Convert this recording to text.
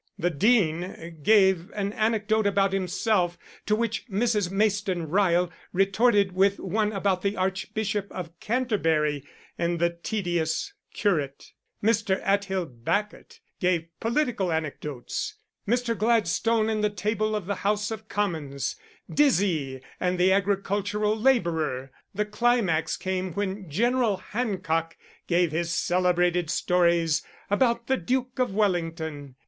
The Dean gave an anecdote about himself, to which Mrs. Mayston Ryle retorted with one about the Archbishop of Canterbury and the tedious curate. Mr. Arthill Bacot gave political anecdotes, Mr. Gladstone and the table of the House of Commons, Dizzy and the agricultural labourer. The climax came when General Hancock gave his celebrated stories about the Duke of Wellington.